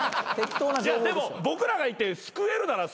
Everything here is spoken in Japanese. でも僕らが行って救えるなら。